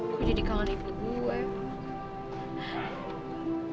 saya jadi kangen ibu saya